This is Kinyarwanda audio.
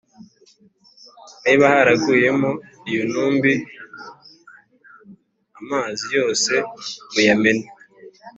niba haraguyemo iyo ntumbi amzi yose muyamene